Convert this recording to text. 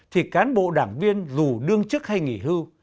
thì cán bộ đảng viên dù đương chức hay nghỉ hưu